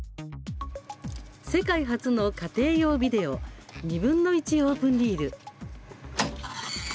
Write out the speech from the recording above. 世界初の家庭用ビデオ２分の１オープンリール。